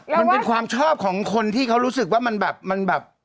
มันเป็นความชอบของคนที่เขารู้สึกว่ามันแบบมันแบบ